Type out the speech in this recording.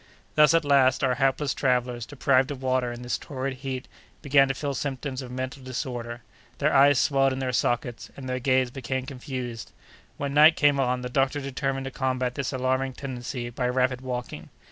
Thus, at last, our hapless travellers, deprived of water in this torrid heat, began to feel symptoms of mental disorder. Their eyes swelled in their sockets, and their gaze became confused. When night came on, the doctor determined to combat this alarming tendency by rapid walking.